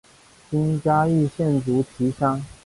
今嘉义县竹崎乡。